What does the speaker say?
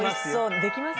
できますか？